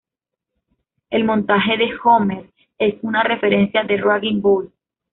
El montaje de Homer es una referencia de "Raging Bull".